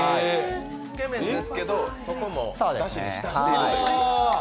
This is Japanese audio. つけ麺ですけど、そこもだしに浸しているという。